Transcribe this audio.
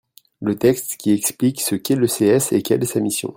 le texte qui explique ce qu'est le CS et quel est sa mission.